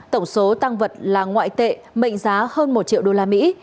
tổng số tăng vật là ngoại tệ mệnh giá hơn một triệu usd